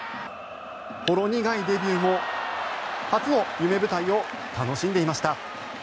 ほろ苦いデビューも初の夢舞台を楽しんでいました。